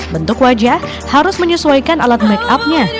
bentuk wajah harus menyesuaikan alat make up nya